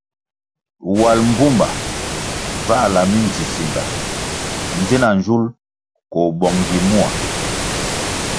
Wal mbpumba bvahla mindzisinga ndzina nzul koh bong gi mua.